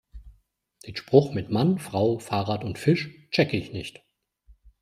Den Spruch mit Mann, Frau, Fahrrad und Fisch checke ich nicht.